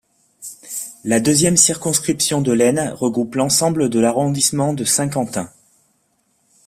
La deuxième circonscription de l'Aisne regroupe l'ensemble de l'arrondissement de Saint-Quentin.